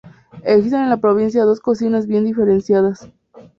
Existen en la provincia dos cocinas bien diferenciadas.